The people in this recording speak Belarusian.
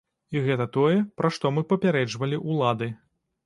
І гэта тое, пра што мы папярэджвалі ўлады.